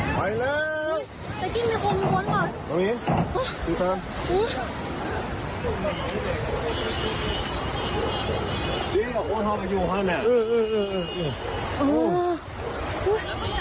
ไปแล้วเมื่อกี้มีคนมีคนเหรอละเมียฮะดูตามฮือ